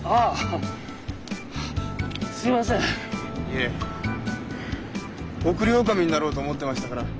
いえ送り狼になろうと思ってましたから。